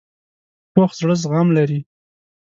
پوخ زړه زغم لري